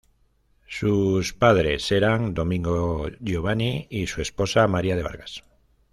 Sus padres eran Domingo Giovani y su esposa María de Vargas.